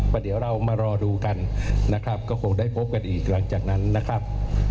ก็เดี๋ยวเรามารอดูกันนะครับก็คงได้พบกันอีกหลังจากนั้นนะครับ